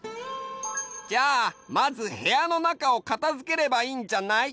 じゃあまずへやのなかを片付ければいいんじゃない？